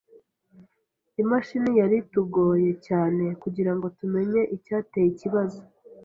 Imashini yari itugoye cyane kugirango tumenye icyateye ikibazo.